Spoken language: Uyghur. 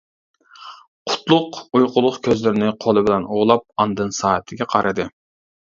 قۇتلۇق ئۇيقۇلۇق كۆزلىرىنى قولى بىلەن ئۇۋىلاپ ئاندىن سائىتىگە قارىدى.